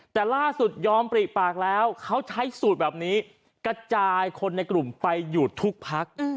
แต่ล่าสุดยอมปริปากแล้วเขาใช้สูตรแบบนี้กระจายคนในกลุ่มไปอยู่ทุกพัก